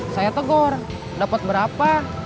saya tegur dapat berapa